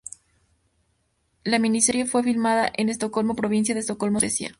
La miniserie fue filmada en Estocolmo, Provincia de Estocolmo, Suecia.